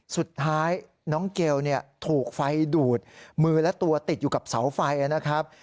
สุดท้ายน้องเกลถูกไฟดูดมือและตัวติดอยู่กับเสาไฟนะครับ